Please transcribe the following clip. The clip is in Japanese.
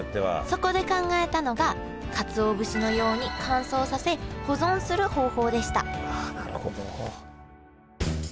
そこで考えたのがかつお節のように乾燥させ保存する方法でしたさあ